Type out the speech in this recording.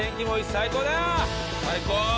最高！